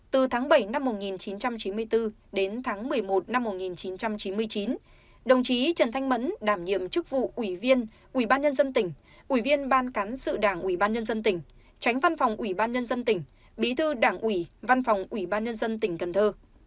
từ tháng bảy năm một nghìn chín trăm chín mươi bốn đến tháng một mươi một năm một nghìn chín trăm chín mươi chín đồng chí trần thanh mẫn đảm nhiệm chức vụ ủy viên ủy ban nhân dân tỉnh ủy viên ban cán sự đảng ủy ban nhân dân tỉnh tránh văn phòng ủy ban nhân dân tỉnh bí thư đảng ủy văn phòng ủy ban nhân dân tỉnh cần thơ